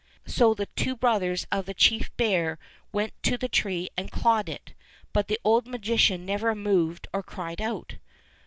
So the two brothers of the chief bear went to the tree and clawed it, but the old magi cian never moved or cried out.